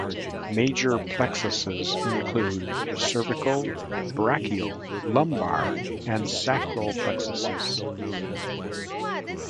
Major plexuses include the cervical, brachial, lumbar, and sacral plexuses.